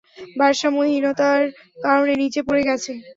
ভারসাম্যহীনতার কারণে নিচে পড়ে গেছে।